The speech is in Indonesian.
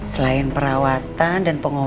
selain perawatan dan pengobatan